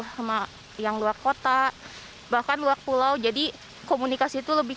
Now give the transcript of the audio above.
ya ya ya apa banget sih apa ya ya kita selalu kebanyakan ih semua nutritious tahun lebih